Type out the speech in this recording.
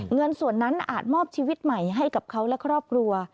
เงินส่วนนั้นอาจมอบชีวิตใหม่ให้กับเขาและครอบครัว